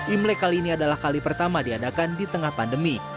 imlek kali ini adalah kali pertama diadakan di tengah pandemi